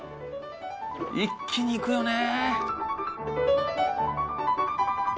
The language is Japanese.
一気にいくよね。